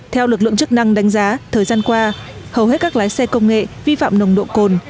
theo lực lượng chức năng đánh giá thời gian qua hầu hết các lái xe công nghệ vi phạm nồng độ cồn